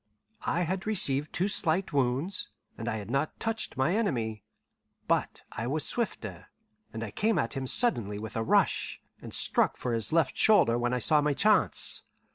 I had received two slight wounds, and I had not touched my enemy. But I was swifter, and I came at him suddenly with a rush, and struck for his left shoulder when I saw my chance.